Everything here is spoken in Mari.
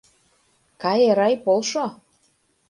Кай, Эрай, полшо.